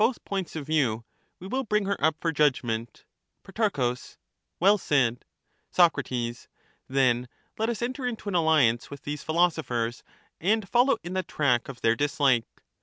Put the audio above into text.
1 may throw points of view, we will bring her up for judgment. light on Pro. Well said. our present Soc. Then let us enter into an alliance with these philoso phers and follow in the track of their dislike.